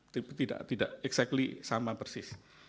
tapi tidak exactly sama persis